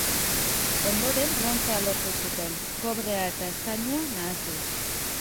Ondoren brontzea lortu zuten, kobrea eta eztainua nahasiz.